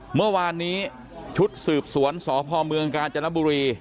เมื่อวานนี้ชุดสืบสวนสพเมืองกาญจนบุรี